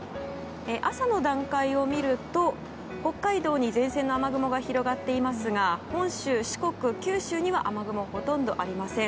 朝の段階を見ると、北海道に前線の雨雲が広がっていますが本州・四国、九州には雨雲ほとんどありません。